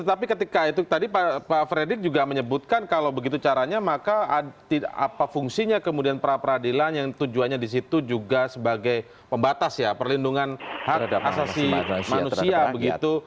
jadi ketika itu tadi pak fredrik juga menyebutkan kalau begitu caranya maka apa fungsinya kemudian pra peradilan yang tujuannya disitu juga sebagai pembatas ya perlindungan hak asasi manusia begitu